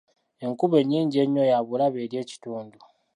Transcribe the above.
Enkuba ennyingi ennyo ya bulabe eri ekitundu.